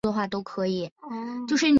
本期刊的专业领域包含